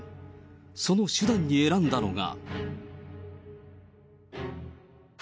その手段に選んだのが。